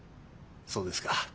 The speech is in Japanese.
そうですか。